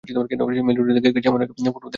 মেইনরোডের দিকে গেছে এমন এক ফুটপাতে দাঁড়িয়ে ছিলাম।